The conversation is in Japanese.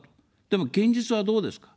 でも現実はどうですか。